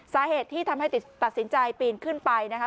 สาเหตุที่ทำให้ตัดสินใจปีนขึ้นไปนะคะ